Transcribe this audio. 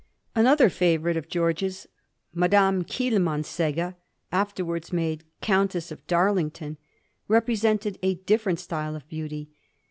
Another favourite of George's, Madame Kilmansegge, afterwards made Countess of Darlington, represented a different style of beauty.